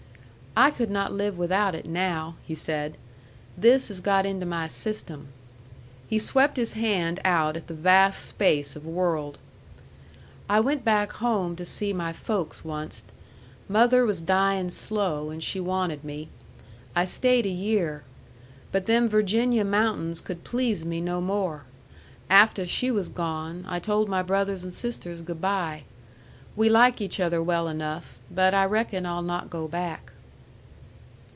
"I could not live without it now," he said. "This has got into my system." He swept his hand out at the vast space of world. "I went back home to see my folks onced. Mother was dyin' slow, and she wanted me. I stayed a year. But them Virginia mountains could please me no more. Afteh she was gone, I told my brothers and sisters good by. We like each other well enough, but I reckon I'll not go back."